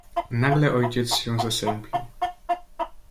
"Nagle ojciec się zasępił."